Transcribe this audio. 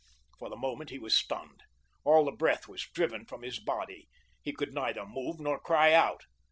For the moment he was stunned. All the breath was driven from his body. He could neither move nor cry out.